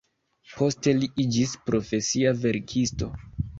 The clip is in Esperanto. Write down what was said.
Poste li iĝis profesia verkisto.